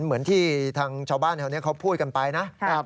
เหมือนที่ทางชาวบ้านแถวนี้เขาพูดกันไปนะ